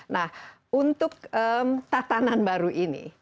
nah untuk tatanan baru ini